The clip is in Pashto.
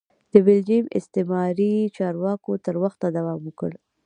د بلجیم استعماري چارواکو تر وخته دوام وکړ.